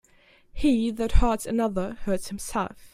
He that hurts another, hurts himself.